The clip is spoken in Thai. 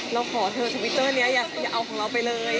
เราขอเธอทวิตเตอร์นี้อย่าเอาของเราไปเลย